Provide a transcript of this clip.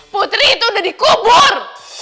putri itu udah dikubur